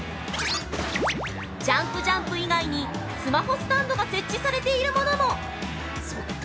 ジャンプジャンプ以外にスマホスタンドが設置されているものも。